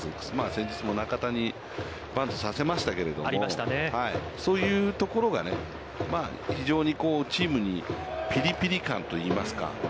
先日も中田にバントさせましたけれども、そういうところがね、非常にチームにピリピリ感といいますか。